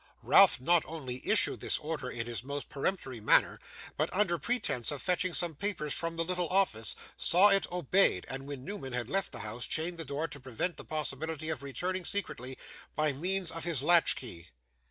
Ralph not only issued this order in his most peremptory manner, but, under pretence of fetching some papers from the little office, saw it obeyed, and, when Newman had left the house, chained the door, to prevent the possibility of his returning secretly, by means of his latch key.